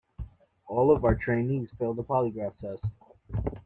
All of our trainees failed the polygraph test.